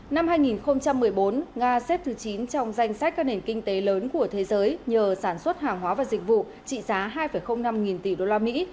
năm hai nghìn một mươi bốn nga xếp thứ chín trong danh sách các nền kinh tế lớn của thế giới nhờ sản xuất hàng hóa và dịch vụ trị giá hai năm nghìn tỷ đô la mỹ